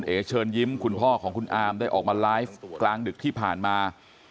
เชิญยิ้มคุณพ่อของคุณอามได้ออกมาไลฟ์กลางดึกที่ผ่านมา